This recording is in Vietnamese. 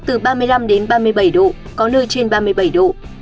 từ ba mươi năm ba mươi bảy độ có nơi trên ba mươi bảy độ